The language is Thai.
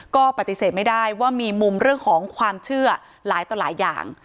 ก็ปฏิเสธไม่ได้ว่ามีมุมเรื่องของความเชื่อหลายต่อหลายอย่าง